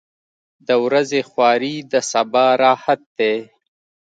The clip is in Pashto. • د ورځې خواري د سبا راحت دی.